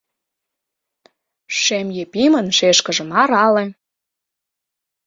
Шем Епимын шешкыжым арале: